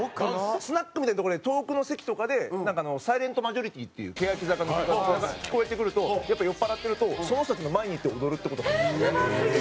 スナックみたいな所で遠くの席とかで『サイレントマジョリティー』っていう欅坂の曲が聞こえてくるとやっぱ酔っ払ってるとその人たちの前に行って踊るって事もあります。